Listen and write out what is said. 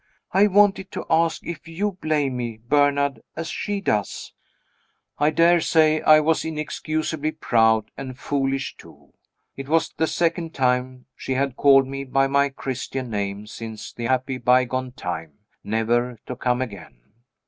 I wanted to ask if you blame me, Bernard, as she does?" I daresay I was inexcusably proud and foolish too. It was the second time she had called me by my Christian name since the happy bygone time, never to come again.